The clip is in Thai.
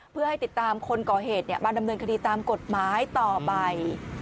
เพื่อให้ติดตามคนก่อเหตุมาดำเนินคดีตามกฎหมายต่อไป